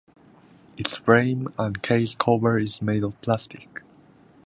Its frame and case cover is made of plastic.